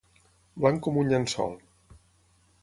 Blanc com un llençol.